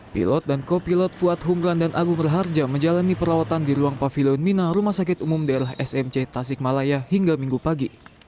pilot dan kopilot fuad humran dan agung berharja menjalani perawatan di ruang pavilion mina rumah sakit umum dlh smc tasik malaya hingga minggu pagi